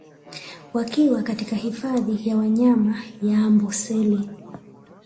Wakiwa katika hifadhi ya wanyama ya Amboseli